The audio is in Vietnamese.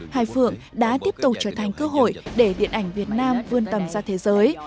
hai phượng đã tiếp tục trở thành cơ hội để điện ảnh việt nam vươn tầm ra thế giới